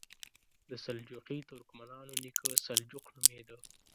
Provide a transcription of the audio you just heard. د سلجوقي ترکمنانو نیکه سلجوق نومېده.